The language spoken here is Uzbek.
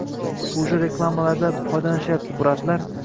Uje reklamalarda foydalanishyapti bratlar